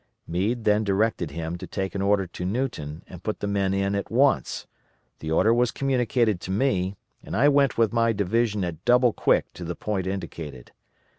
Meade then directed him to take an order to Newton and put the men in at once; the order was communicated to me and I went with my division at double quick to the point indicated.